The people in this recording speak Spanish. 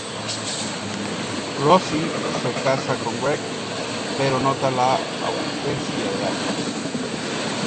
Rosie se casa con Greg pero nota la ausencia de Alex.